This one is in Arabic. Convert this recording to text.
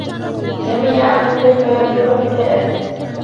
سامي يعرف كيف يربط حذاءه.